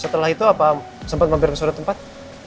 setelah itu apa sempet mampir kesuaraan tempat